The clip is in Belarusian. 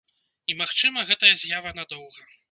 І, магчыма, гэтая з'ява надоўга.